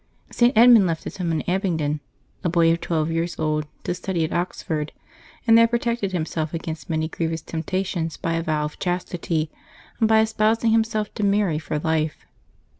|t. Edmund left his home at Abingdon, a boy of twelve years old, to study at Oxford, and there protected himself against many grievous temptations by a vow of chastity, and by espousing himself to Mary for life.